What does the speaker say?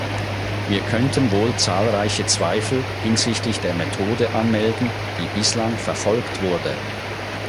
Wir könnten wohl zahlreiche Zweifel hinsichtlich der Methode anmelden, die bislang verfolgt wurde.